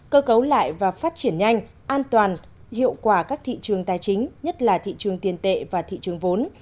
cơ cấu lại và phát triển nhanh an toàn hiệu quả các thị trường tài chính nhất là thị trường tiền tệ và thị trường vốn